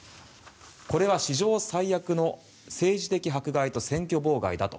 これは史上最悪の政治的迫害と選挙妨害だと。